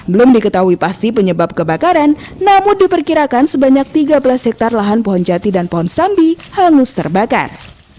belum diketahui pasti penyebab kebakaran namun diperkirakan sebanyak tiga belas hektare lahan pohon jati dan pohon sambi hangus terbakar